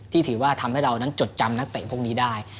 ถือว่าทำให้เรานั้นจดจำนักเตะพวกนี้ได้